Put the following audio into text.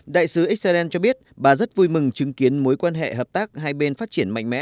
đại sứ israel cho biết bà rất vui mừng chứng kiến mối quan hệ hợp tác hai bên phát triển mạnh mẽ